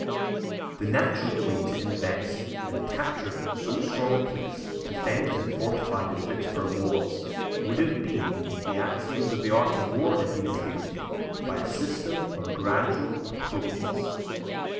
The natural way to invest and capture so strong a place, defended and fortified as Vicksburg was, would have been, if the axioms of the art of war had been adhered to, by a system of gradual approaches.